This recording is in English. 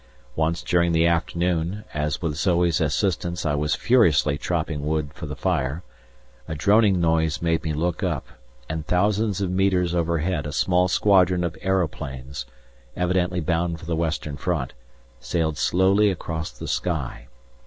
Once during the afternoon, as with Zoe's assistance I was furiously chopping wood for the fire, a droning noise made me look up, and thousands of metres overhead a small squadron of aeroplanes, evidently bound for the Western Front, sailed slowly across the sky.